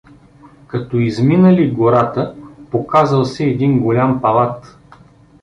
Като изминали гората, показал се един голям палат.